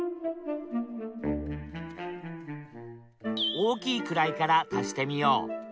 大きい位から足してみよう。